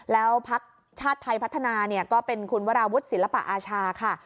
แล้วพักชาติไทยพัฒนาก็เป็นคุณวราวุฒิศิลปะอาชาค่ะ